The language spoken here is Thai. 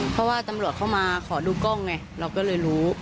เพราะว่าตำรวจเข้ามาขอดูกล้องไงเราก็เลยรู้